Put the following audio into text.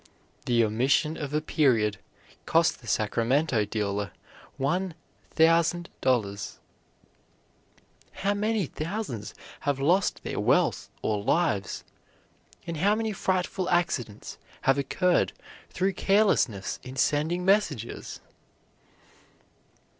The omission of a period cost the Sacramento dealer $1,000. How many thousands have lost their wealth or lives, and how many frightful accidents have occurred through carelessness in sending messages!